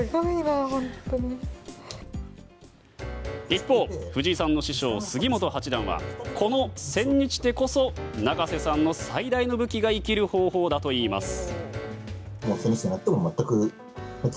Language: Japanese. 一方、藤井さんの師匠杉本八段はこの千日手こそ永瀬さんの最大の武器が生きる方法だといいます。